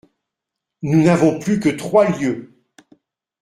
Nous n'avons plus que trois lieues.